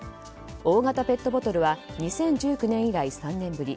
大型ペットボトルは２０１９年以来３年ぶり